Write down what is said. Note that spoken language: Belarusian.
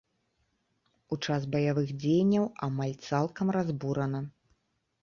У час баявых дзеянняў амаль цалкам разбурана.